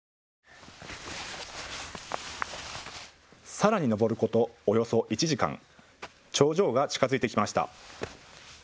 さらに登ることおよそ１時間、頂上が近づいてきました。